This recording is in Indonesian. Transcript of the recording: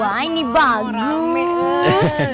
wah ini bagus